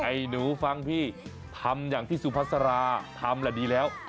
ให้หนูฟังพี่ทำอย่างที่สุภาษาราทำแหละดีแล้ว